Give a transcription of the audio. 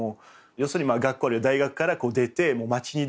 要するに学校大学から出て街に出るっていう。